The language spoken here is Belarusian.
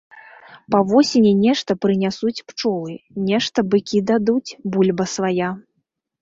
Па восені нешта прынясуць пчолы, нешта быкі дадуць, бульба свая.